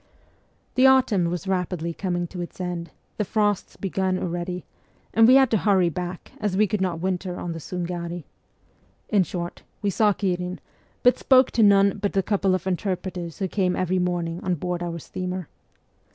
The autumn was rapidly coming to its end, the frosts began already, and we had to hurry back, as we could not winter on the Sungari. In short, we saw Ghirin, but spoke to none but the couple of interpreters who came every morning on board our steamer.